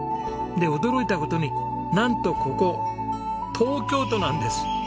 で驚いた事になんとここ東京都なんです！